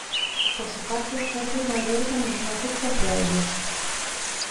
Por su parte, Henri no alberga ningún afecto hacia ella.